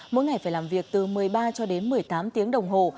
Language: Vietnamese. mỗi ngày phải làm việc từ một mươi ba cho đến một mươi tám tiếng đồng hồ